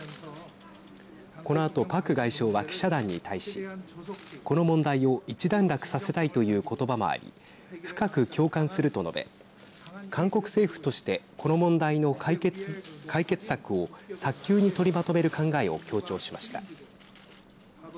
このあとパク外相は記者団に対しこの問題を一段落させたいという言葉もあり深く共感すると述べ韓国政府としてこの問題の解決策を早急に取りまとめる考えを強調しました。